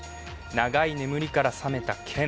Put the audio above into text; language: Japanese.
長い眠りから覚めた剣。